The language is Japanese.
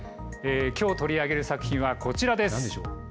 きょう取り上げる作品はこちらです。